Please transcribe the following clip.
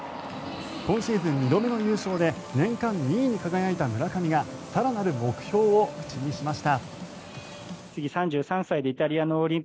今シーズン２度目の優勝で年間２位に輝いた村上が更なる目標を口にしました。